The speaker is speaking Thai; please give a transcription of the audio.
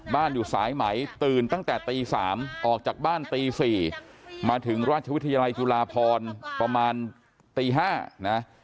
อยู่สายไหมตื่นตั้งแต่ตี๓ออกจากบ้านตี๔มาถึงราชวิทยาลัยจุฬาพรประมาณตี๕นะ